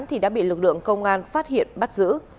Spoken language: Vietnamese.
thì đã bị lực lượng công an phát hiện bắt giữ